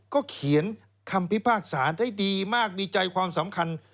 เขียนคำพิพากษาได้ดีมากดีใจความสำคัญ